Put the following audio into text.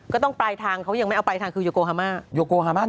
ก็ต้องปลายทางเขายังไม่เอาปลายทางคือโยโกฮามาโยโกฮามา